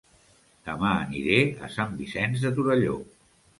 Dema aniré a Sant Vicenç de Torelló